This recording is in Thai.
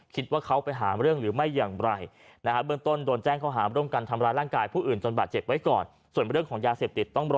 คิดว่าเขาไปหาเรื่องหรือไม่อย่างไรนะฮะ